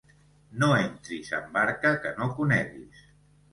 No entris en barca que no coneguis.